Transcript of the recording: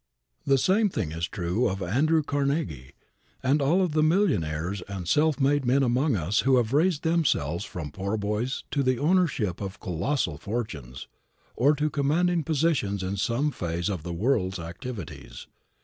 The same thing is true of Andrew Carnegie, and of all the millionaires and self made men among us who have raised themselves from poor boys to the ownership of colossal fortunes, or to commanding positions in some phase of the world's activities.